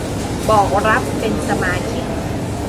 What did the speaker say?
บอกรับเป็นสมาชิก